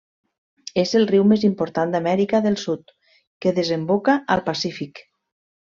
És el riu més important d'Amèrica del Sud que desemboca al Pacífic.